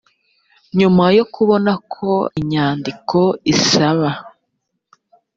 nyuma yo kubona ko inyandiko isaba